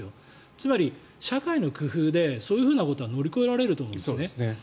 つまり社会の工夫でそういうことは乗り越えられると思うんです。